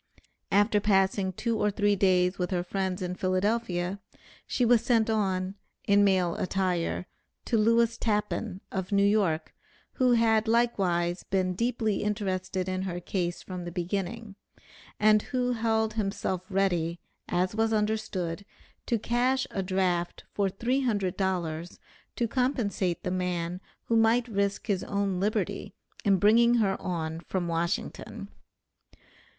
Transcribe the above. After passing two or three days with her new friends in Philadelphia, she was sent on (in male attire) to Lewis Tappan, of New York, who had likewise been deeply interested in her case from the beginning, and who held himself ready, as was understood, to cash a draft for three hundred dollars to compensate the man who might risk his own liberty in bringing her on from Washington.